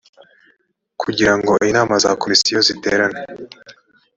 kugira ngo inama za komisiyo ziterane